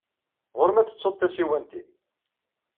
Ɣur-m ad tettuḍ tasiwant-nnem.